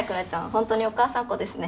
ホントにお母さんっ子ですね。